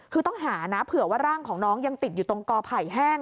คือต้องหานะเผื่อว่าร่างของน้องยังติดอยู่ตรงกอไผ่แห้ง